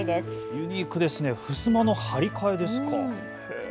ユニークですね、ふすまの張り替えですか。